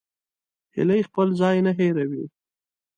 هیلۍ خپل ځای نه هېروي